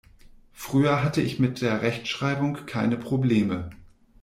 Früher hatte ich mit der Rechtschreibung keine Probleme.